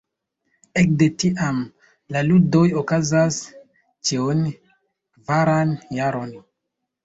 Ekde tiam, la ludoj okazas ĉiun kvaran jaron.